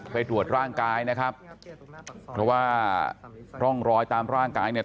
ไปตรวจร่างกายนะครับเพราะว่าร่องรอยตามร่างกายเนี่ย